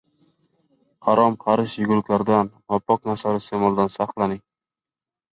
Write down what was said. Harom-xarish yeguliklarlardan, nopok narsalar iste’molidan saqlaning.